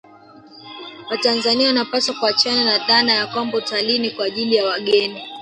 Watanzania wanapaswa kuachana na dhana ya kwamba utalii ni kwa ajili ya wageni